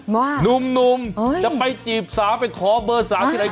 หนุ่มจะไปจีบสาวไปขอเบอร์๓ที่ไหน